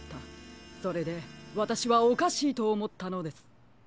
それでわたしはおかしいとおもったのです。